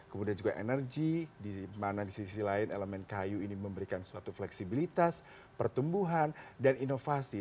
kemudian juga energi di mana di sisi lain elemen kayu ini memberikan suatu fleksibilitas pertumbuhan dan inovasi